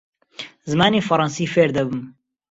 زمانی فەڕەنسی فێر دەبم.